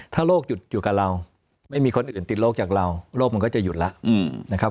ถ้าโรคหยุดอยู่กับเราไม่มีคนอื่นติดโรคจากเราโรคมันก็จะหยุดแล้วนะครับ